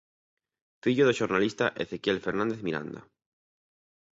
Fillo do xornalista Ezequiel Fernández Miranda.